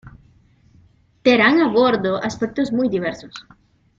Terán abordó aspectos muy diversos.